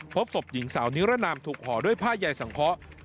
พบศพหญิงสาวนิรนามถูกห่อด้วยผ้าใยสังเคาะ